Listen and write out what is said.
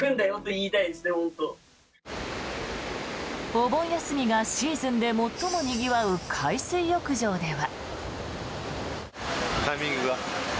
お盆休みがシーズンで最もにぎわう海水浴場では。